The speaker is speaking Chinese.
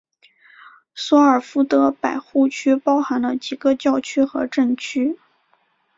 索尔福德百户区包含了几个教区和镇区。